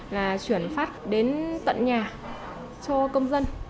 là chuyển phát đến tận nhà cho công dân